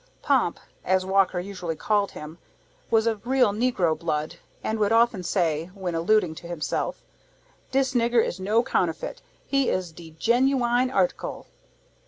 "Pomp," as Walker usually called him, was of real Negro blood, and would often say, when alluding to himself, "Dis nigger is no countefit; he is de genewine artekil."